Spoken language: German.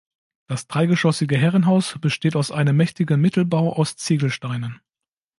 Das dreigeschossige Herrenhaus besteht aus einem mächtigen Mittelbau aus Ziegelsteinen.